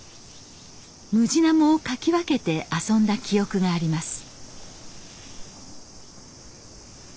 ムジナモをかき分けて遊んだ記憶があります。